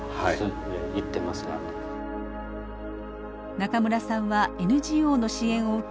中村さんはＮＧＯの支援を受け